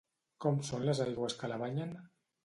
Com són les aigües que la banyen?